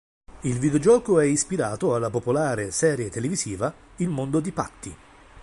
Il videogioco è ispirato alla popolare serie televisiva "Il mondo di Patty".